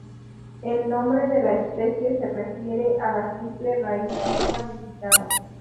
El nombre de la especie se refiere a la simple raíz no ramificada.